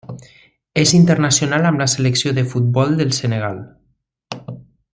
És internacional amb la selecció de futbol del Senegal.